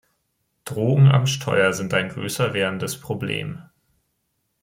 Drogen am Steuer sind ein größer werdendes Problem.